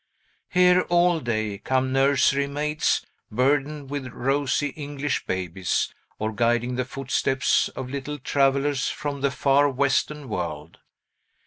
Here, all day, come nursery maids, burdened with rosy English babies, or guiding the footsteps of little travellers from the far Western world.